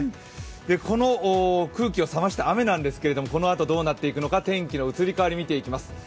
この空気を冷ました雨なんですけれども、このあとどうなっていくのか天気の移り変わりを見ていきます。